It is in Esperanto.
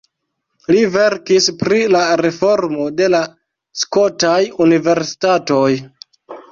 Li verkis pri la reformo de la skotaj universitatoj.